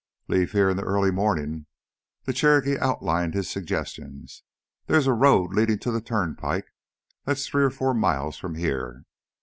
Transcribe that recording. "Leave here in the early mornin'." The Cherokee outlined his suggestions. "There's a road leadin' to the turnpike that's three or four miles from here.